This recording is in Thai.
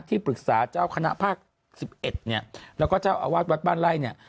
ปรึกษาเจ้าคณะภาค๑๑เนี่ยแล้วก็เจ้าอาวาสวัดบ้านไล่เนี่ย